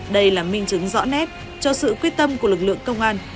đây là minh chứng rõ nét cho sự quyết tâm của lực lượng công an